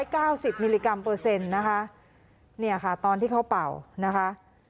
เก้าสิบมิลลิกรัมเปอร์เซ็นต์นะคะเนี่ยค่ะตอนที่เขาเป่านะคะ